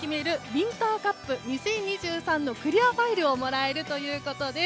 ウインターカップ２０２３のクリアファイルがもらえるということです。